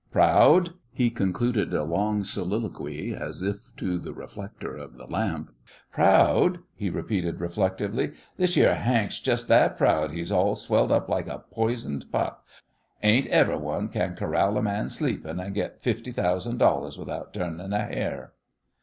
"Proud?" he concluded a long soliloquy as if to the reflector of the lamp. "Proud?" he repeated, reflectively. "This yere Hank's jest that proud he's all swelled up like a poisoned pup. Ain't everyone kin corall a man sleepin' and git fifty thousand without turnin' a hair."